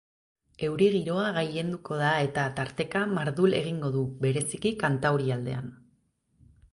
Euri giroa gailenduko da eta tarteka mardul egingo du, bereziki kantaurialdean.